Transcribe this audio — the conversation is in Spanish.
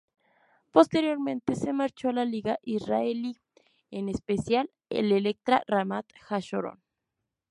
Posteriormente se marchó a la liga israelí, en especial al Electra Ramat Hasharon.